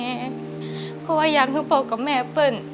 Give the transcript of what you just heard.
เพราะว่ายังคือพ่อกับแม่เปิ้ล